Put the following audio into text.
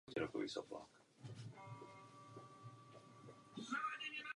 Prefekt může v rámci své působnosti a ve spolupráci se starostou přijímat policejní předpisy.